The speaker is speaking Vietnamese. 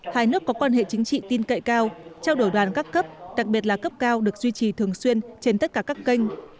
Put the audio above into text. hai nước có quan hệ chính trị tin cậy cao trao đổi đoàn các cấp đặc biệt là cấp cao được duy trì thường xuyên trên tất cả các kênh